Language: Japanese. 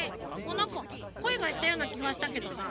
なんかこえがしたようなきがしたけどな。